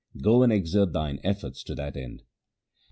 Go and exert thine efforts to that end.'